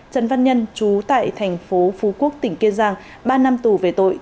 trần văn nhân chú tại thành phố phú quốc tỉnh kiên giang ba năm tù về tội